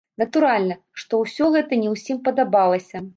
Натуральна, што ўсё гэта не ўсім падабалася.